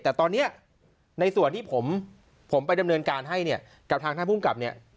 แต่ตอนนี้ในส่วนที่ผมไปดำเนินการให้เนี่ยกับทางท่านภูมิกับเนี่ย